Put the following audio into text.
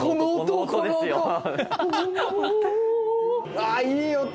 ああいい音！